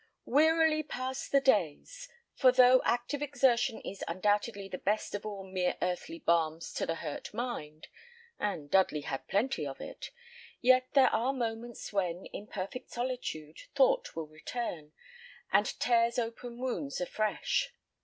Wearily passed the days; for though active exertion is undoubtedly the best of all mere earthly balms to the hurt mind and Dudley had plenty of it yet there are moments when, in perfect solitude, thought will return, and tears open wounds afresh.